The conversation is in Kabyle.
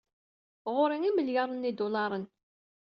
Ɣur-i imelyaren n yidularen.